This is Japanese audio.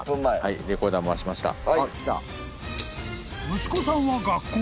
［息子さんは学校へ］